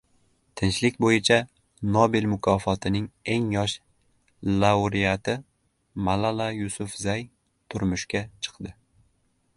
Tinchlik bo‘yicha Nobel mukofotining eng yosh laureati Malala Yusufzay turmushga chiqdi